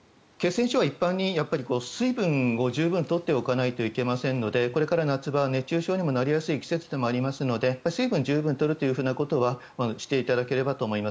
血栓症は一般に水分を十分に取らないといけないのでこれから夏場、熱中症にもなりやすい季節でもありますので水分を十分に取るということはしていただければと思います。